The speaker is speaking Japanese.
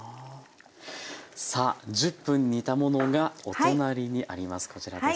さあ１０分煮たものがお隣にあります。